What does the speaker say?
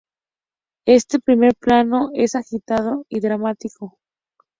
Este primer plano es agitado y dramático.